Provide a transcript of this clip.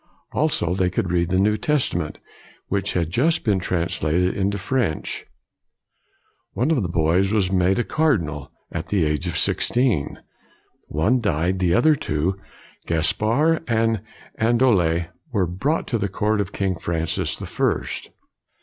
Also they could read the New Testament, which had just been translated into French. One of the boys was made a cardinal, at the age of sixteen; one died; the other two, Gaspard and Andelot, were brought to the court of King Francis the First.